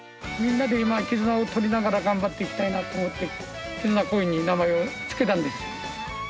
みんなで絆をとりながら頑張っていきたいなと思って「絆公園」に名前を付けたんです。